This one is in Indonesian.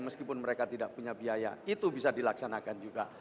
meskipun mereka tidak punya biaya itu bisa dilaksanakan juga